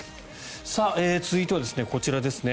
続いてはこちらですね。